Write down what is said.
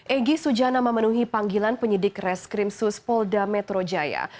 egy sujana memenuhi panggilan penyidik treskrimsus polda metro jaya